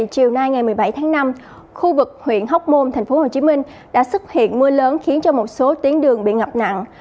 chiều nay ngày một mươi bảy tháng năm khu vực huyện hóc môn tp hcm đã xuất hiện mưa lớn khiến cho một số tuyến đường bị ngập nặng